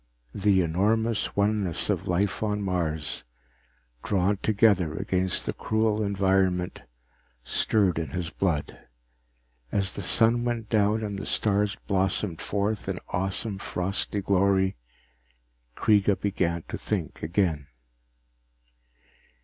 The enormous oneness of life on Mars, drawn together against the cruel environment, stirred in his blood. As the sun went down and the stars blossomed forth in awesome frosty glory, Kreega began to think again.